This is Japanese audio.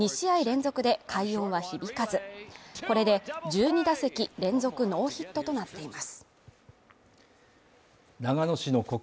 しかし２試合連続で快音は響かず、これで１２打席連続ノーヒットとなっています。